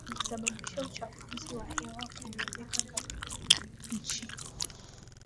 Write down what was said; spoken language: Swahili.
kulisababisha uchafuzi wa hewa kuongezeka kadiri nchi